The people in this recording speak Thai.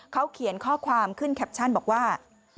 เขาเขียนข้อความขึ้นแคปชั่นบอกว่า